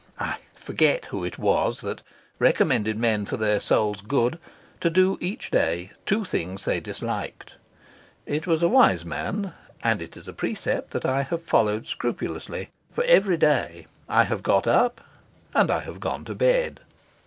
I forget who it was that recommended men for their soul's good to do each day two things they disliked: it was a wise man, and it is a precept that I have followed scrupulously; for every day I have got up and I have gone to bed.